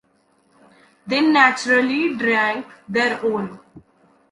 They naturally drank their own.